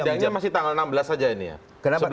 sidangnya masih tanggal enam belas saja ini ya